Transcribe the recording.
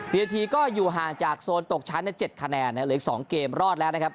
ทีก็อยู่ห่างจากโซนตกชั้นใน๗คะแนนเหลืออีก๒เกมรอดแล้วนะครับ